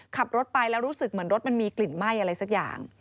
ขับรถไปแล้วรู้สึกเหมือนรถมันมีกลิ่นไหม้อะไรสักอย่าง